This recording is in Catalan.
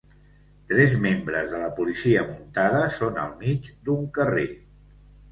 Tres membres de la policia muntada són al mig d'un carrer.